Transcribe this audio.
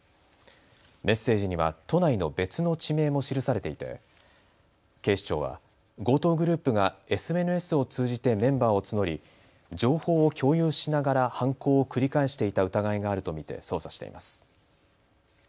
メッセージには都内の別の地名も記されていて警視庁は強盗グループがＳＮＳを通じてメンバーを募り情報を共有しながら犯行を繰り返していた疑いがあると見て捜査しています。